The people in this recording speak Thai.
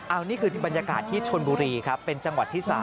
อันนี้คือบรรยากาศที่ชนบุรีครับเป็นจังหวัดที่๓